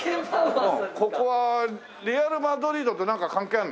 ここはレアル・マドリードとなんか関係あるの？